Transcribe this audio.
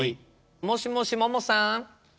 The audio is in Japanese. もしもしももさん？